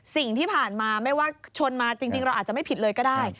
สิ่งที่ผ่านมาไม่ว่าชนมาจริงเราอาจจะไม่ผิดเลยก็ได้